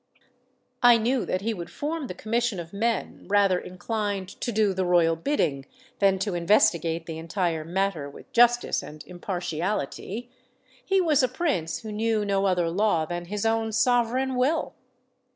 I knew that he would form the Commission of men rather inclined to do the royal bidding than to investigate the entire matter with justice and impartiality. He was a prince who knew no other law than his own sovereign will!